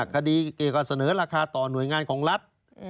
คดีเกี่ยวกับเสนอราคาต่อหน่วยงานของรัฐ